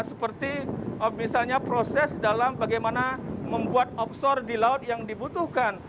seperti misalnya proses dalam bagaimana membuat obsor di laut yang dibutuhkan